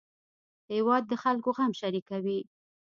هېواد د خلکو غم شریکوي